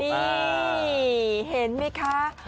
นี่เห็นมั้ยคะ